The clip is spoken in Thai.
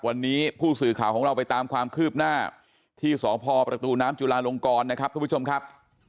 วันนี้ผู้สื่อข่าวของเราไปตามความคืบหน้าที่สพประตูน้ำจุลาลงกรนะครับทุกผู้ชมครับ